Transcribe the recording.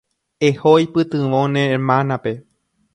Eho eipytyvõ ne hermanape.